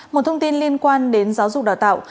một thông tin liên quan đến giáo dục đào tạo